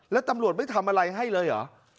แล้วตำรวจไม่ทำอะไรให้เลยเหรอ